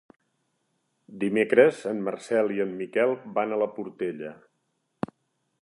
Dimecres en Marcel i en Miquel van a la Portella.